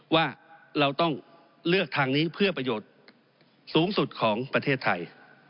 ว่าเราต้องเลือกทางนี้เพื่อประโยชน์สูงสุดของประเทศไทย